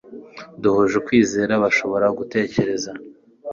duhuje ukwizera bashobora gutekereza